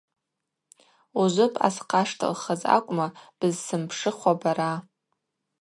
Ужвы бъасхъаштылхыз акӏвма бызсзымпшыхуа бара?